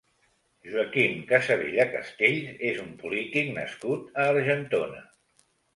Joaquim Casabella Castells és un polític nascut a Argentona.